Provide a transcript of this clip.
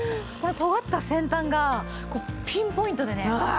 これとがった先端がこうピンポイントでね。